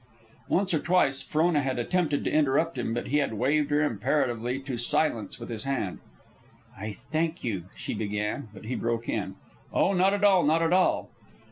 Once or twice Frona had attempted to interrupt him, but he had waved her imperatively to silence with his hand. "I thank you," she began; but he broke in, "Oh, not at all, not at all."